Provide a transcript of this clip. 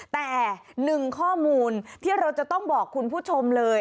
แต่หนึ่งข้อมูลที่เราจะต้องบอกคุณผู้ชมเลย